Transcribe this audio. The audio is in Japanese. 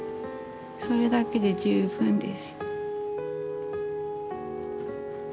それだけで十分です。